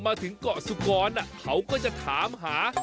มาถึงเกาะสุกรเขาก็จะถามหา